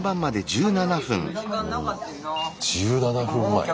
１７分前。